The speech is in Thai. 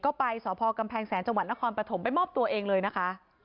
ก็ไปสพกำแพงแสนจังหวัดนครปฐมไปมอบตัวเองเลยนะคะ